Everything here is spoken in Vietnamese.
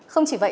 không chỉ vậy